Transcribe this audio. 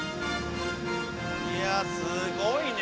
いやすごいね。